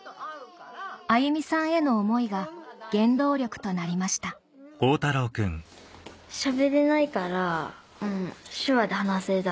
あゆみさんへの思いが原動力となりました楽しい。